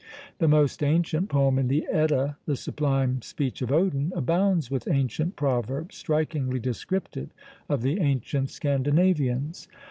The most ancient poem in the Edda, "the sublime speech of Odin," abounds with ancient proverbs, strikingly descriptive of the ancient Scandinavians.